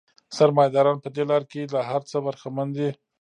سرمایه داران په دې لار کې له هر څه برخمن دي